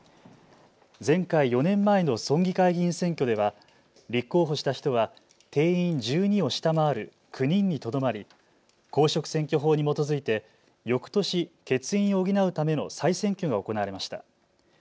前回・４年前の村議会議員選挙では立候補した人は定員１２を下回る９人にとどまり公職選挙法に基づいてよくとし、欠員を補うための再選挙が行われました。